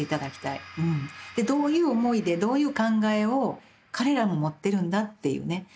でどういう思いでどういう考えを彼らも持ってるんだっていうね。